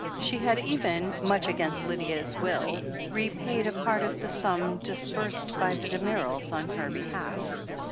She had even, much against Lydia's will, repaid a part of the sum disbursed by the Damerels on her behalf.